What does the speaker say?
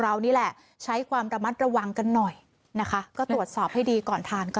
เรานี่แหละใช้ความระมัดระวังกันหน่อยนะคะก็ตรวจสอบให้ดีก่อนทานก็